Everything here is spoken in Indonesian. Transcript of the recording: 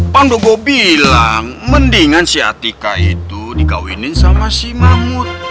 pangdo gue bilang mendingan si atika itu dikawinin sama si mahmud